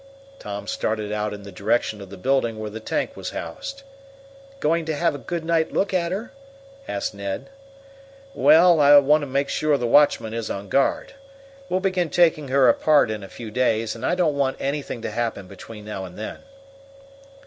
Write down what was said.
Tom started out in the direction of the building where the tank was housed. "Going to have a good night look at her?" asked Ned. "Well, I want to make sure the watchman is on guard. We'll begin taking her apart in a few days, and I don't want anything to happen between now and then."